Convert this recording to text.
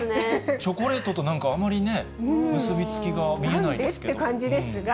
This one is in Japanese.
チョコレートとあんまりね、結び付きが見えないんですけれども。